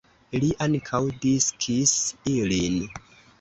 Li ankaŭ diskis ilin.